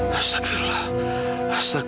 hai separating hashtag